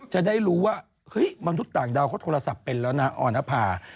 จะได้รู้ว่าเฮ้ยมนุษย์ต่างดาวเขาโทรศัพท์เป็นแล้วนะออนภา